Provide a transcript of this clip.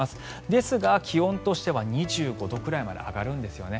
ですが、気温としては２５度くらいまで上がるんですよね。